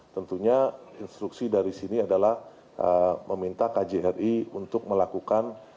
tentunya instruksi dari sini adalah meminta kjri untuk melakukan